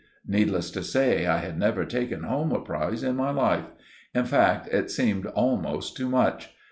Needless to say, I had never taken home a prize in my life. In fact, it seemed almost too much.